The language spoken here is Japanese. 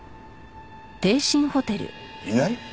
いない？